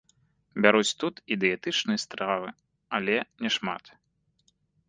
Бяруць тут і дыетычныя стравы, але няшмат.